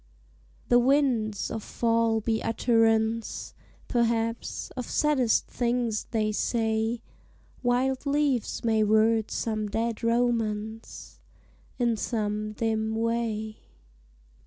The winds of fall be utterance, Perhaps, of saddest things they say; Wild leaves may word some dead romance In some dim way.